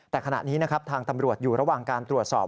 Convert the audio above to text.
แต่ขณะนี้นะครับทางตำรวจอยู่ระหว่างการตรวจสอบ